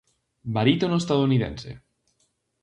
Barítono estadounidense.